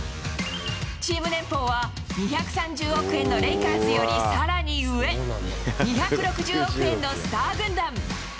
チーム年俸は２３０億円のレイカーズよりさらに上、２６０億円のスター軍団。